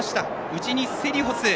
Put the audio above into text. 内にセリフォス。